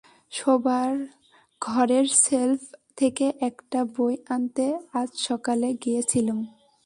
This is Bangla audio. শোবার ঘরের শেলফ থেকে একটা বই আনতে আজ সকালে গিয়েছিলুম।